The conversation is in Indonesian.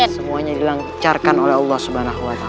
semuanya dilancarkan oleh allah swt